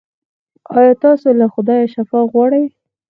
ایا تاسو له خدایه شفا غواړئ؟